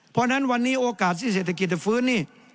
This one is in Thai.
เพราะฉะนั้นวันนี้โอกาสที่เศรษฐกิจจะฟื้นนี่